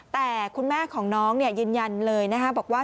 แต่คุณแม่ของน้องยืนยันเลยนะคะบอกว่า